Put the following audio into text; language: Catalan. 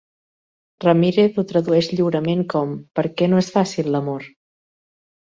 Ramírez ho tradueix lliurement com "per què no és fàcil l'amor?".